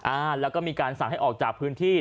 อ่าแล้วก็มีการสั่งให้ออกจากพื้นที่